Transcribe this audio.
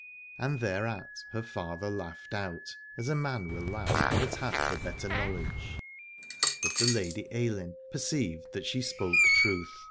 And thereat her father laughed out, as a man will laugh that hath the better knowledge: but the Lady Ailinn per ceived that she spoke truth.